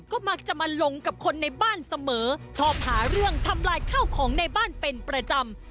ก็มักจะมาลงกับคนในบ้านเสมอชอบหาเรื่องทำลายข้าวของในบ้านเป็นประจำ